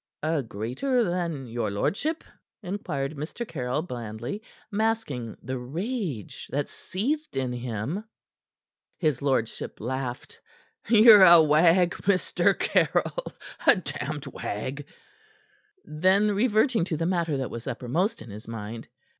"A greater than your lordship?" inquired Mr. Caryll blandly, masking the rage that seethed in him. His lordship laughed. "Ye're a wag, Mr. Caryll a damned wag!" Then reverting to the matter that was uppermost in his mind.